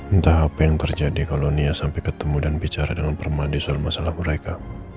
entah apa yang terjadi kalau nia sampai ketemu dan bicara dengan permadi soal masalah mereka